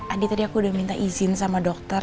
adi tadi aku udah minta izin sama dokter